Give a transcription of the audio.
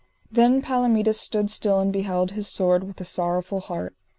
Then Palomides stood still and beheld his sword with a sorrowful heart.